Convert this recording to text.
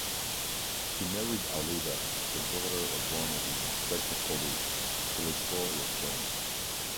He married Alida, the daughter of one his inspector colleagues, Télesphore Rochon.